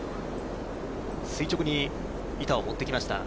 垂直に板を持ってきました。